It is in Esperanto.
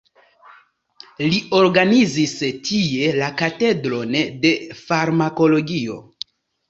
Li organizis tie la katedron de farmakologio.